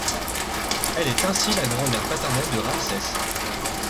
Elle est ainsi la grand-mère paternelle de Ramsès.